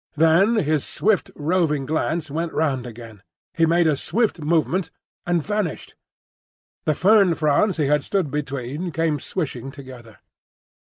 Then his swift roving glance went round again; he made a swift movement—and vanished. The fern fronds he had stood between came swishing together.